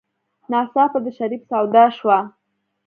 ناڅاپه د شريف سودا شوه.